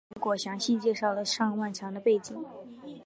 之后雨果详细介绍了尚万强的背景。